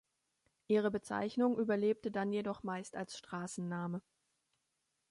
Ihre Bezeichnung überlebte dann jedoch meist als Straßenname.